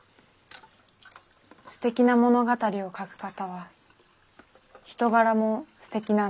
すてきな物語を描く方は人柄もすてきなんだなって。